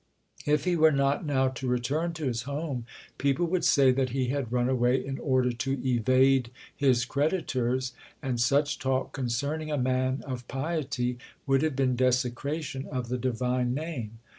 If he were not now to return to his home, people would say that he had run away in order to evade his creditors, and such talk concerning a man of piety would have been desecration of the Divine Name.